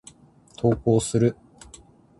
投稿する。